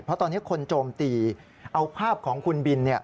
เพราะตอนนี้คนโจมตีเอาภาพของคุณบิน